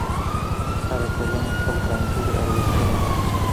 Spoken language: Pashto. هره ټولنه خپل ځانګړي ارزښتونه لري.